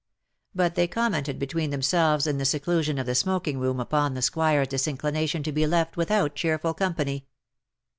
But they commented between them selves in the seclusion of the smoking room upon the Squire's disinclination to be left without cheerful company.